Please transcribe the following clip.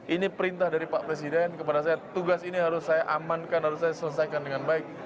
ini perintah dari pak presiden kepada saya tugas ini harus saya amankan harus saya selesaikan dengan baik